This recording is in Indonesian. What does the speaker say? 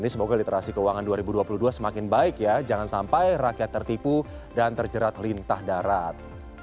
semoga literasi keuangan dua ribu dua puluh dua semakin baik ya jangan sampai rakyat tertipu dan terjerat lintah darat